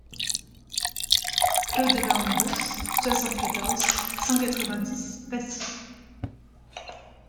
Clos de Barmerousse, soixante-quatorze, cent quatre-vingt-dix Passy